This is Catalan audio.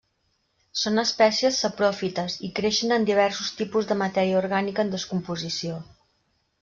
Són espècies sapròfites i creixen en diversos tipus de matèria orgànica en descomposició.